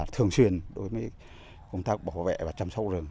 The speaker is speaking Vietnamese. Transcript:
thường xuyên đối với công tác bảo vệ và chăm sóc rừng